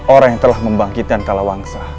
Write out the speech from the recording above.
orang yang telah membangkitkan kalawangsa